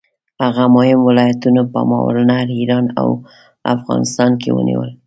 هغه مهم ولایتونه په ماوراالنهر، ایران او افغانستان کې ونیول.